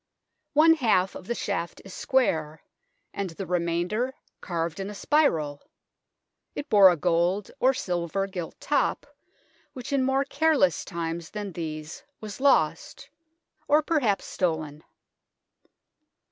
One half of the shaft is square, and the remainder carved in a spiral. It bore a gold or silver gilt top, which in more careless times than these was lost or perhaps stolen.